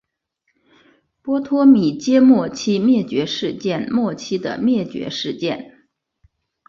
波托米阶末期灭绝事件末期的灭绝事件。